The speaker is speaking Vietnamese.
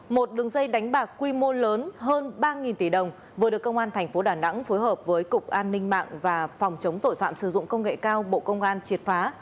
một đường dây đánh bạc quy mô lớn hơn ba tỷ đồng vừa được công an tp đà nẵng phối hợp với cục an ninh mạng và phòng chống tội phạm sử dụng công nghệ cao bộ công an triệt phá